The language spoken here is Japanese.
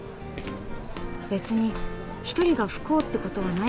べつに一人が不幸ってことはない